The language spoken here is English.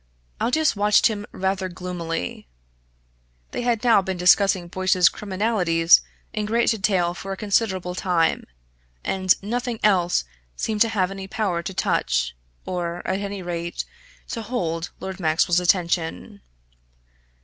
Aldous watched him rather gloomily. They had now been discussing Boyce's criminalities in great detail for a considerable time, and nothing else seemed to have any power to touch or, at any rate, to hold Lord Maxwell's attention.